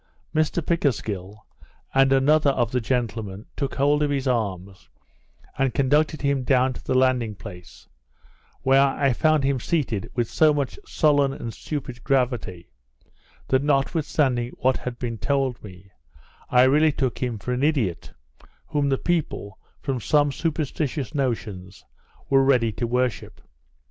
Mr Pickersgill, and another of the gentlemen, took hold of his arms, and conducted him down to the landing place, where I found him seated with so much sullen and stupid gravity, that notwithstanding what had been told me, I really took him for an idiot, whom the people, from some superstitious notions, were ready to worship.